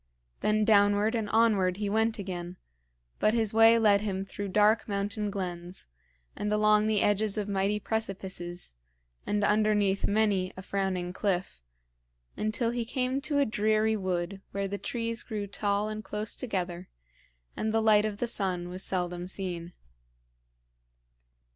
Then downward and onward he went again, but his way led him through dark mountain glens, and along the edges of mighty precipices, and underneath many a frowning cliff, until he came to a dreary wood where the trees grew tall and close together and the light of the sun was seldom seen.